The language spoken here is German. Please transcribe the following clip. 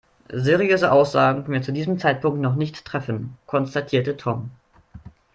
"Seriöse Aussagen können wir zu diesem Zeitpunkt noch nicht treffen", konstatierte Tom.